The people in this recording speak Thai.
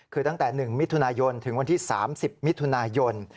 คือตั้งแต่๑มิถุนายนถึงวันที่๓๐มิถุนายน